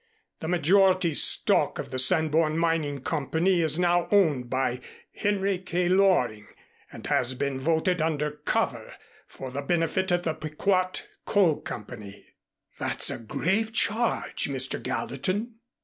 The majority stock of the Sanborn Mining Company is now owned by Henry K. Loring, and has been voted under cover for the benefit of the Pequot Coal Company." "That's a grave charge, Mr. Gallatin."